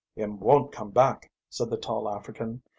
"Him won't come back," said the tall African.